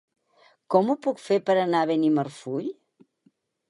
Com ho puc fer per anar a Benimarfull?